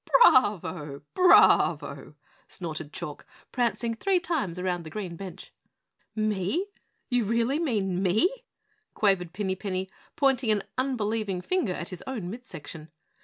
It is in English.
"Bravo! Bravo!" snorted Chalk, prancing three times round the green bench. "Me? You really mean me?" quavered Pinny Penny, pointing an unbelieving finger at his own mid section.